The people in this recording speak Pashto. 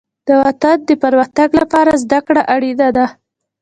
د وطن د پرمختګ لپاره زدهکړه اړینه ده.